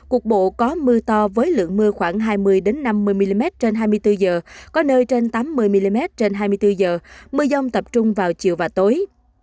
cục bộ có mưa to với lượng mưa khoảng hai mươi năm mươi mm trên hai mươi bốn h có nơi trên tám mươi mm trên hai mươi bốn h mưa dông tập trung vào chiều và tối